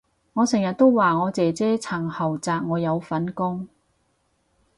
我成日都話我姐姐層豪宅我有份供